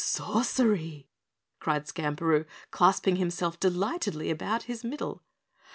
"Sorcery!" cried Skamperoo, clasping himself delightedly about his middle.